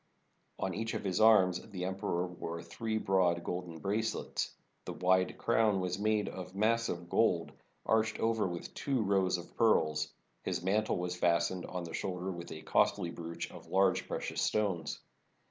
On each of his arms the emperor wore three broad golden bracelets. The wide crown was made of massive gold, arched over with two rows of pearls. His mantle was fastened on the shoulder with a costly brooch of large precious stones.